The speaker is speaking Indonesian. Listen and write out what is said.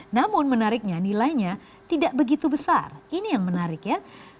namun menariknya nilainya tidak begitu besar ini yang menarik ya